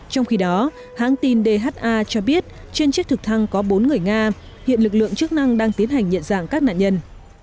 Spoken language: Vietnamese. trong khi đó hãng tin dha cho biết trên chiếc thực thăng có bốn người nga hiện lực lượng chức năng đang tiến hành nhận dạng các nạn nhân